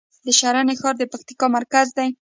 د شرن ښار د پکتیکا مرکز دی